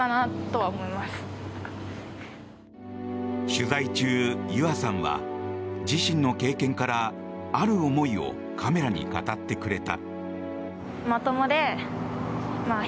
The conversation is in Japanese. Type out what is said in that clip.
取材中、ゆあさんは自身の経験からある思いをカメラに語ってくれた。